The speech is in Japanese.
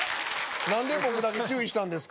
何で僕だけ注意したんですか？